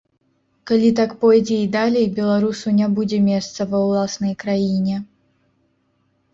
Калі так пойдзе і далей, беларусу не будзе месца ва ўласнай краіне.